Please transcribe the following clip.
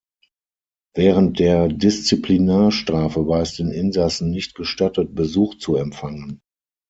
Während der Disziplinarstrafe war es den Insassen nicht gestattet, Besuch zu empfangen.